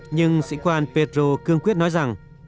nhưng sĩ quan pedro cương quyết nói rằng